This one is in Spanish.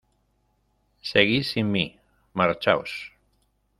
Seguid sin mí. Marchaos .